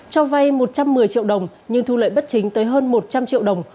cho vay một trăm một mươi triệu đồng nhưng thu lợi bất chính tới hơn một trăm linh triệu đồng